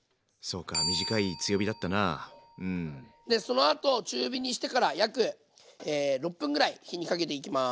そうかでそのあと中火にしてから約６分ぐらい火にかけていきます。